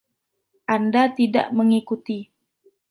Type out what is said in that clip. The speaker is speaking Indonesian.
Anda tidak mengikuti.